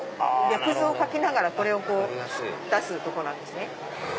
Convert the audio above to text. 略図を描きながらこれを出すとこなんですね。